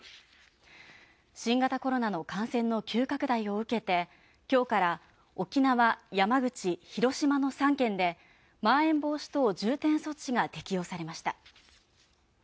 新型コロナの感染の急拡大を受けて今日から沖縄・山口・広島の３県でまん延防止等重点措置が適用されました。